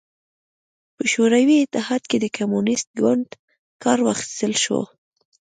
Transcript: په شوروي اتحاد کې د کمونېست ګوند کار واخیستل شو.